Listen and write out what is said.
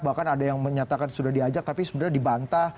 bahkan ada yang menyatakan sudah diajak tapi sebenarnya dibantah